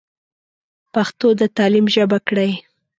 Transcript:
پښتو د تعليم ژبه کړئ.